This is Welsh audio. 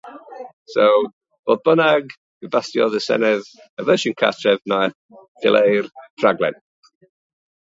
Fodd bynnag, fe basiodd y Senedd y fersiwn Cartref wnaeth ddileu'r rhaglen.